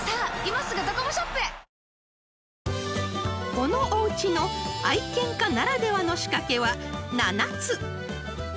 ［このおうちの愛犬家ならではの仕掛けは７つ］